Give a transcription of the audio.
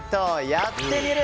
「やってみる。」。